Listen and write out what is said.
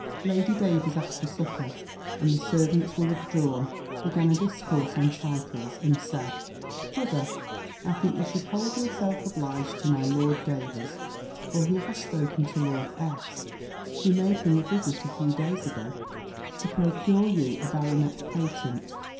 Lady Davers, after supper, and the servants were withdrawn, began a discourse on titles, and said, "Brother, I think you should hold yourself obliged to my Lord Davers; for he has spoken to Lord S. who made him a visit a few days ago, to procure you a baronet's patent.